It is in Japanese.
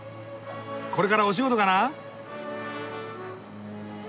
これからお仕事かな？